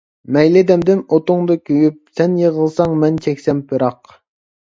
مەيلى دەمدىم ئوتۇڭدا كۆيۈپ، سەن يىغلىساڭ مەن چەكسەم پىراق.